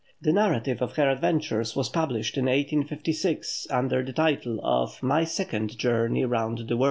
The narrative of her adventures was published in 1856, under the title of "My Second Journey Round the World."